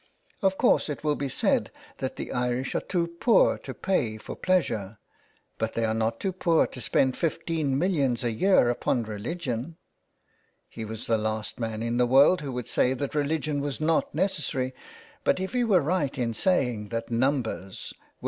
" Of course it will be said that the Irish are too poor to pay for pleasure, but they are not too poor to spend fifteen millions a year upon religion." He was the last man in the world who would say that religion was not necessary, but if he were right in saying that numbers were 375 THE WILD GOOSE.